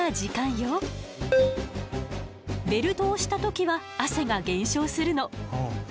ベルトをした時は汗が減少するの。